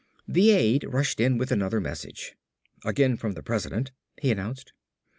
The aide rushed in with another message. "Again from the President," he announced.